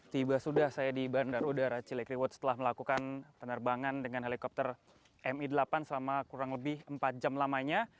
tiba sudah saya di bandar udara cilikriwut setelah melakukan penerbangan dengan helikopter mi delapan selama kurang lebih empat jam lamanya